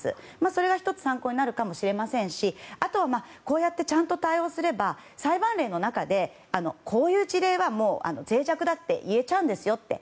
それが１つ参考になるかもしれませんしあとは、こうやってちゃんと対応すれば裁判例の中で、こういう事例はもう脆弱だって言えちゃうんですよって。